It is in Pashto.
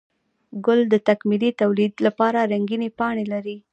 گل د تکميلي توليد لپاره رنګينې پاڼې لري